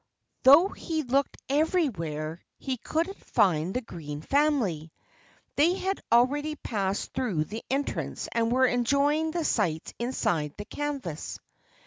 Though he looked everywhere, he couldn't find the Green family. They had already passed through the entrance and were enjoying the sights inside the canvas.